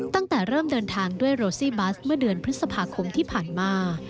ตั้งแต่เริ่มเดินทางด้วยโรซี่บัสเมื่อเดือนพฤษภาคมที่ผ่านมา